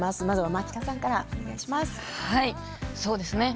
蒔田さんからお願いします。